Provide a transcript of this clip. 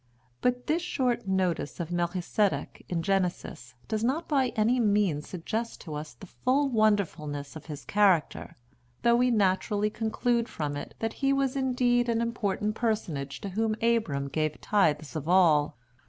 But this short notice of Melchizedek in Genesis does not by any means suggest to us the full wonderfulness of his character, though we naturally conclude from it that he was indeed an important personage to whom Abram gave tithes of all.